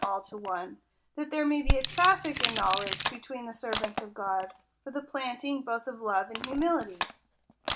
13 all to one, that there may be a traffic in knowledge between the servants of God, for the planting both of love and humility.